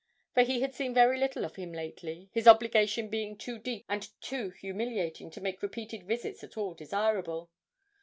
For he had seen very little of him lately, his obligation being too deep and too humiliating to make repeated visits at all desirable.